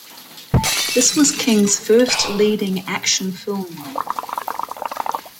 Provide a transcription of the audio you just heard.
This was King's first leading action film role.